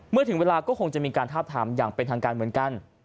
ถึงเวลาก็คงจะมีการทาบถามอย่างเป็นทางการเหมือนกัน